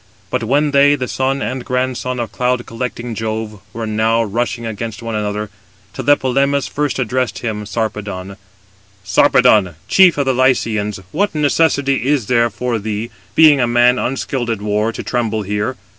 But when they, the son and grandson of cloud collecting Jove, were now rushing against one another, Tlepolemus first addressed him [Sarpedon]: "Sarpedon, chief of the Lycians, what necessity is there for thee, being a man unskilled in war, to tremble here?